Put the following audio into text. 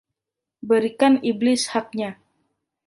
Berikan iblis haknya